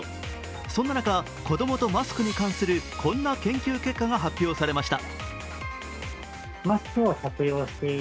そんな中、子供とマスクに関するこんな研究結果が発表されました。